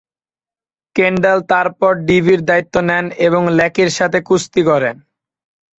Kendall তারপর ঢিবির দায়িত্ব নেন এবং ল্যাকির সাথে কুস্তি করেন।